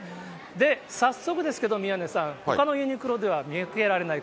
早速ですけど、宮根さん、ほかのユニクロでは見受けられない